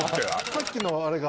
さっきのあれが？